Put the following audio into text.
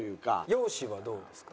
容姿はどうですか？